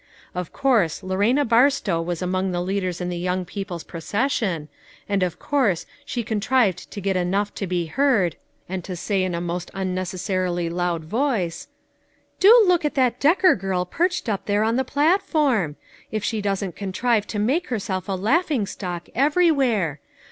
Of course Lorena Barstow was among the leaders in the young people's proces sion, and of course she contrived to get enough to be heard, and to say in a most unnecessarily loud voice : "Do look at that Decker girl perched up there on the platform. If she doesn't contrive to make herself a laughing stock everywhere